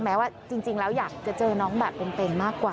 แม้ว่าจริงแล้วอยากจะเจอน้องแบบเป็นมากกว่า